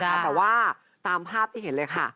แต่ว่าตามภาพที่เห็นเลยค่ะ